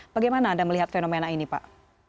bagaimana anda melihat fenomena ini pak